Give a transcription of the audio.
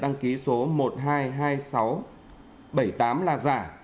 đăng ký số một trăm hai mươi hai nghìn sáu trăm bảy mươi tám là giả